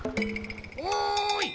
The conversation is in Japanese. おい！